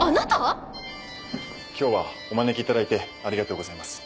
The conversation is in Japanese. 今日はお招き頂いてありがとうございます。